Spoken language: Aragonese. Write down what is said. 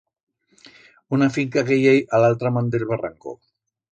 Una finca que i hei a l'altra man d'el barranco.